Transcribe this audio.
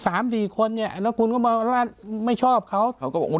สามสี่คนเนี่ยแล้วคุณก็มาไม่ชอบเขาเขาก็บอกว่า